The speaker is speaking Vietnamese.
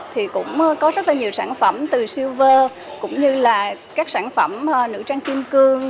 thì cũng có rất là nhiều sản phẩm từ silver cũng như là các sản phẩm nữ trang kim cương